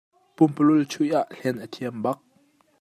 Pumpululh chuih ah hlen a thiam bak.